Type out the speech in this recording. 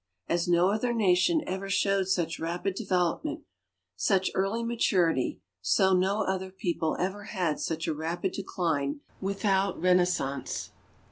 As no other nation ever showed such rapid development, such early maturity, so no other people ever had such a rapid decline without renaissance.